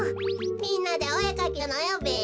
みんなでおえかきするのよべ。